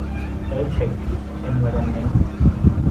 เอิร์ธ เท็ค เอนไวรอนเมนท์